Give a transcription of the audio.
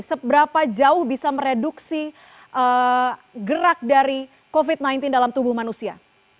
seberapa jauh bisa mereduksi gerak dari covid sembilan belas dalam tubuh manusia